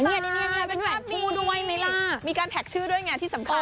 นี่เป็นแบบคู่ด้วยไหมล่ะมีการแท็กชื่อด้วยไงที่สำคัญ